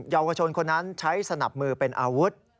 เยาวชนคนนั้นใช้สนับมือเป็นอาวุธ